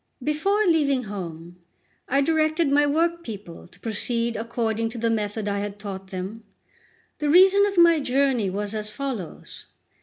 LXXIX BEFORE leaving home, I directed my workpeople to proceed according to the method I had taught them. The reason of my journey was as follows.